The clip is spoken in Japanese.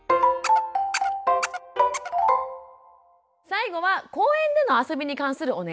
最後は公園での遊びに関するお悩みです。